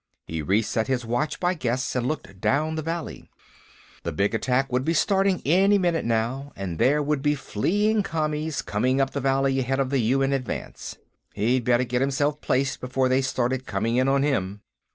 He reset his watch by guess and looked down the valley. The big attack would be starting any minute, now, and there would be fleeing Commies coming up the valley ahead of the UN advance. He'd better get himself placed before they started coming in on him.